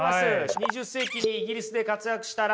２０世紀にイギリスで活躍したラッセルです。